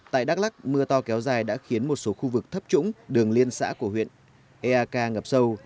tại đắk lắc mưa to kéo dài đã khiến một số khu vực thấp trũng đường liên xã của huyện eak ngập sâu